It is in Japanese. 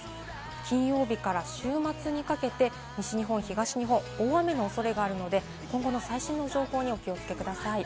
金曜日から週末にかけて西日本、東日本、大雨のおそれがあるので、今後の最新の情報にお気をつけください。